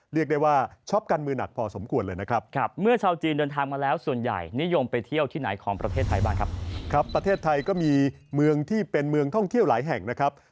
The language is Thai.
แล้วส่วนใหญ่นิยมไปที่ที่ไหนของประเทศไทยบ้างครับครับประเทศไทยก็มีเมืองที่เป็นเมืองท่องเที่ยวหลายแห่ง